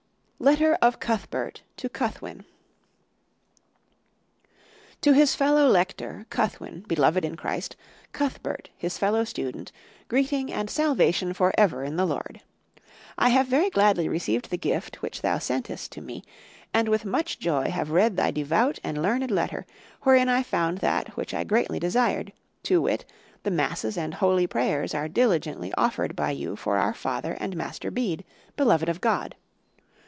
(3) Letter of Cuthbert to Cuthwin. "To his fellow lector, Cuthwin, beloved in Christ, Cuthbert, his fellow student, greeting and salvation for ever in the Lord. I have very gladly received the gift which thou sentest to me, and with much joy have read thy devout and learned letter, wherein I found that which I greatly desired, to wit, that masses and holy prayers are diligently offered by you for our father and master Bede, beloved of God.